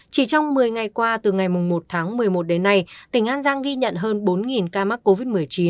chỉ trong một mươi ngày qua từ ngày một tháng một mươi một đến nay tỉnh an giang ghi nhận hơn bốn ca mắc covid một mươi chín